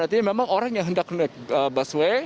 artinya memang orang yang hendak naik busway